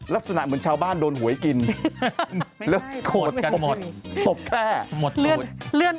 ลักษณะเหมือนชาวบ้านโดนหวยกินแล้วโกรธกันหมดตบแค่หมดเลือด